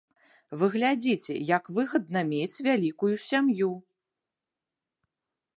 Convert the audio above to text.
Вы глядзіце, як выгадна мець вялікую сям'ю!